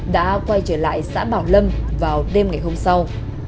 đã quay trở lại xã bảo lâm vào đêm ngày hôm sau